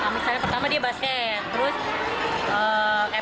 misalnya pertama dia basket terus kepedean